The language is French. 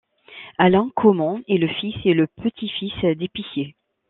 Alain Coumont est le fils et le petit-fils d'épiciers.